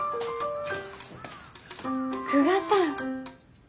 久我さん！